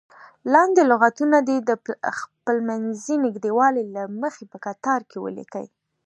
لاندې لغتونه دې د خپلمنځي نږدېوالي له مخې په کتار کې ولیکئ.